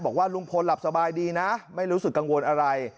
บอกว่าลุงพลหลับสบายดีนะไม่รู้สึกกังวลอะไร